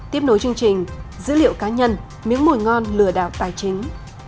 tiếp nối chương trình dữ liệu cá nhân miếng mùi ngon lừa đảo tài chính